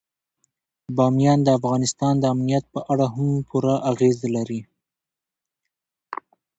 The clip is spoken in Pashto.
بامیان د افغانستان د امنیت په اړه هم پوره اغېز لري.